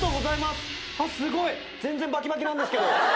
すごい全然バキバキなんですけど。